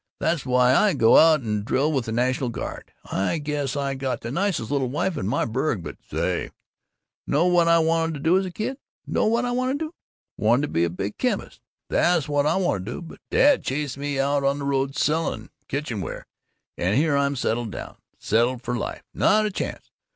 That's why I go out and drill with the National Guard. I guess I got the nicest little wife in my burg, but Say! Know what I wanted to do as a kid? Know what I wanted to do? Wanted to be a big chemist. Tha's what I wanted to do. But Dad chased me out on the road selling kitchenware, and here I'm settled down settled for life not a chance!